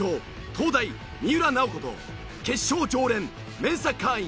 東大三浦奈保子と決勝常連メンサ会員